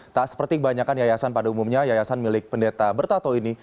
tak seperti kebanyakan yayasan pada umumnya yayasan milik pendeta bertato ini